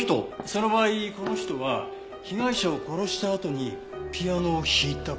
その場合この人は被害者を殺したあとにピアノを弾いた事になる？